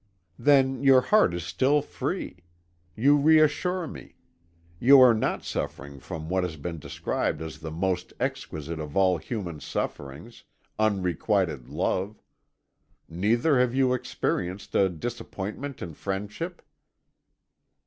"Then your heart is still free. You reassure me. You are not suffering from what has been described as the most exquisite of all human sufferings unrequited love. Neither have you experienced a disappointment in friendship?"